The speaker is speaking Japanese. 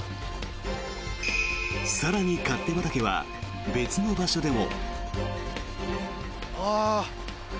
更に、勝手畑は別の場所でも。